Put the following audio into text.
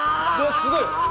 すごい。